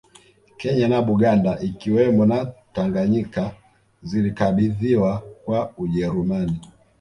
Kenya na Buganda ikiwemo na Tanganyika zilikabidhiwa kwa Ujerumani